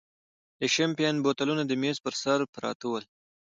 د شیمپین بوتلونه د مېز پر سر پراته ول.